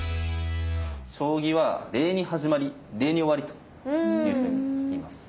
将棋は「礼に始まり礼に終わる」というふうにいいます。